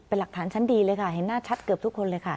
เป็นหลักฐานชั้นดีเลยค่ะเห็นหน้าชัดเกือบทุกคนเลยค่ะ